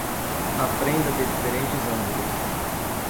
Aprenda de diferentes ângulos